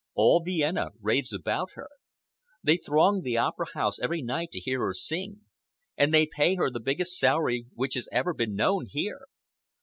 "All Vienna raves about her. They throng the Opera House every night to hear her sing, and they pay her the biggest salary which has ever been known here.